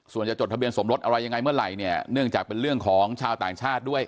ส่วนจะจดทะเบียนสมรสอะไรยังไงเมื่อไหร่เนี่ยเนื่องจากเป็นเรื่องของชาวต่างชาติด้วย